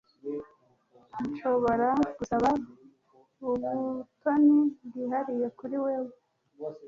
Nshobora gusaba ubutoni bwihariye kuri wewe